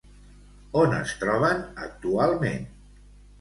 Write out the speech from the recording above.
On es troben actualment?